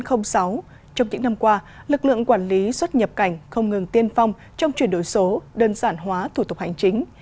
trong những năm qua lực lượng quản lý xuất nhập cảnh không ngừng tiên phong trong chuyển đổi số đơn giản hóa thủ tục hành chính